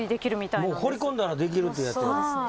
放り込んだらできるっていうやつや。